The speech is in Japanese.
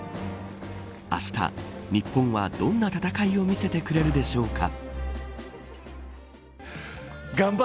あした、日本はどんな戦いを見せてくれるでしょうか。